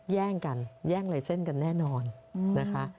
แย่งกันแย่งลายเส้นกันแน่นอนนะคะ